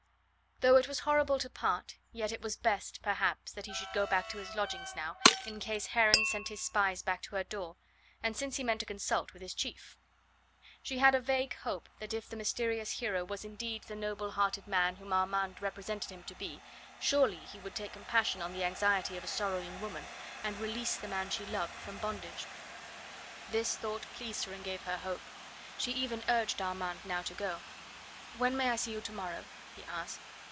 Though it was horrible to part, yet it was best, perhaps, that he should go back to his lodgings now, in case Heron sent his spies back to her door, and since he meant to consult with his chief. She had a vague hope that if the mysterious hero was indeed the noble hearted man whom Armand represented him to be, surely he would take compassion on the anxiety of a sorrowing woman, and release the man she loved from bondage. This thought pleased her and gave her hope. She even urged Armand now to go. "When may I see you to morrow?" he asked.